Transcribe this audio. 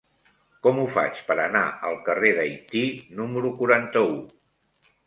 Com ho faig per anar al carrer d'Haití número quaranta-u?